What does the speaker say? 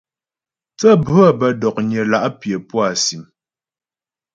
Thə́ bhə̌ bə́ dɔ̀knyə la' pyə̌ pú á sìm.